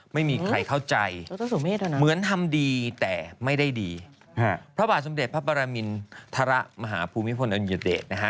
ไม่มีใครเข้าใจเหมือนทำดีแต่ไม่ได้ดีพระบาทสมเด็จพระปรมินทรมาหาภูมิพลอดุลยเดชนะฮะ